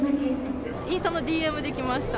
インスタのＤＭで来ました。